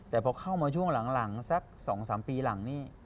แต่พอเข้ามาช่วงหลังสัก๒๓ปีหลังนี่